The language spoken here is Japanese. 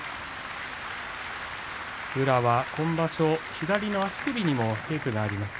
宇良は今場所、左の足首にもテープがあります。